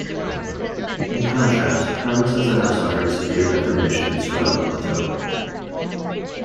In contrast, provinces that have suffered severe deformation surround the plateau.